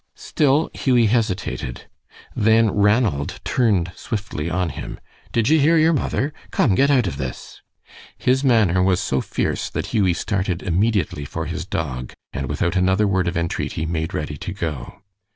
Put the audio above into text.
Still Hughie hesitated. Then Ranald turned swiftly on him. "Did ye hear your mother? Come, get out of this." His manner was so fierce that Hughie started immediately for his dog, and without another word of entreaty made ready to go.